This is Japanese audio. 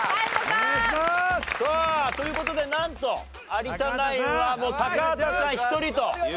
さあという事でなんと有田ナインはもう高畑さん１人という事になりました。